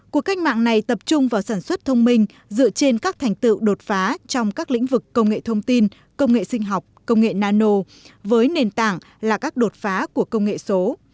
cuộc cách mạng này tập trung vào sản xuất thông minh dựa trên các thành tựu đột phá trong các lĩnh vực công nghệ thông tin công nghệ sinh học công nghệ nano với nền tảng là các đột phá của công nghệ số